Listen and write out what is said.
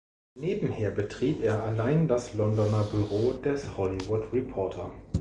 Nebenher betrieb er allein das Londoner Büro des „Hollywood Reporter“.